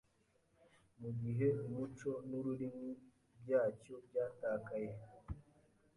mu gihe umuco n’ururimi byacyo byatakaye